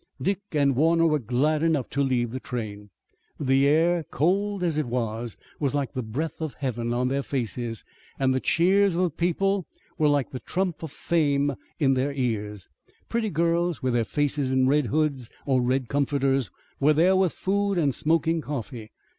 Dick and Warner were glad enough to leave the train. The air, cold as it was, was like the breath of heaven on their faces, and the cheers of the people were like the trump of fame in their ears. Pretty girls with their faces in red hoods or red comforters were there with food and smoking coffee.